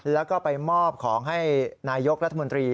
แล้วก็ไปมอบของให้นายกรัฐมนตรี